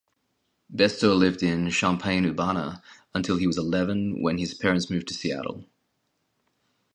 Bestor lived in Champaign-Urbana until he was eleven, when his parents moved to Seattle.